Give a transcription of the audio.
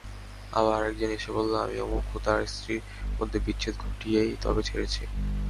আবার আরেকজন এসে বলে- আমি অমুক ও তার স্ত্রীর মধ্যে বিচ্ছেদ ঘটিয়েই তবে ছেড়েছি।